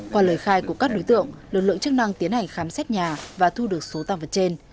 qua lời khai của các đối tượng lực lượng chức năng tiến hành khám xét nhà và thu được số tăng vật trên